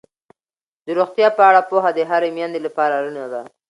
د روغتیا په اړه پوهه د هرې میندې لپاره اړینه ده.